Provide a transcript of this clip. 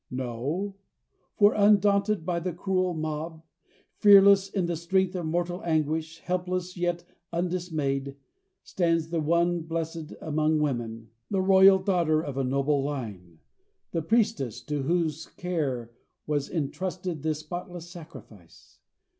No; for undaunted by the cruel mob, fearless in the strength of mortal anguish, helpless, yet undismayed, stands the one blessed among women, the royal daughter of a noble line, the priestess to whose care was intrusted this spotless sacrifice.